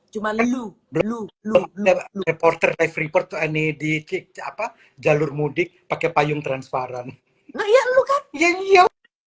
cuman lu lu lu reporter reporter ini di cik apa jalur mudik pakai payung transparan ya iya